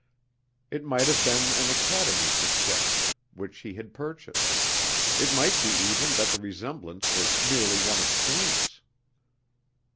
It might have been an Academy success which he had purchased; it might be even that the resemblance was merely one of chance.